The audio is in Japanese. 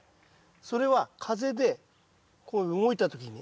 それは風でこう動いた時に。